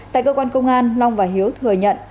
tại cơ quan công an long và hiếu thừa nhận